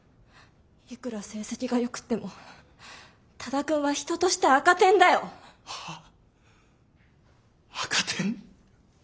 いくら成績がよくっても多田くんは人として赤点だよ。は？赤点？